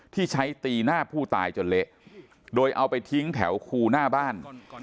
ที่ใช้ตีหน้าผู้ตายจนเละโดยเอาไปทิ้งแถวคูหน้าบ้าน